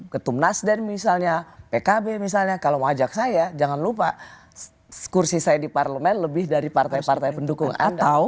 ketum nasdem misalnya pkb misalnya kalau mau ajak saya jangan lupa kursi saya di parlemen lebih dari partai partai pendukung